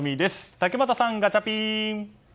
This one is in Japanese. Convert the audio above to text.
竹俣さん、ガチャピン！